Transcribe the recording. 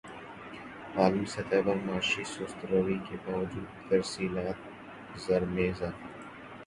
عالمی سطح پر معاشی سست روی کے باوجود ترسیلات زر میں اضافہ